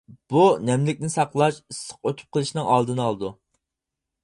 بۇ نەملىكنى ساقلاش، ئىسسىق ئۆتۈپ قېلىشنىڭ ئالدىنى ئالىدۇ.